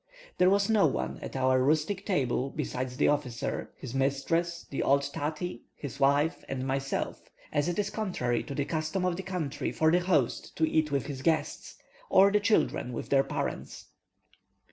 There was no one at our rustic table besides the officer, his mistress, the old Tati, his wife, and myself, as it is contrary to the custom of the country for the host to eat with his guests, or the children with their parents.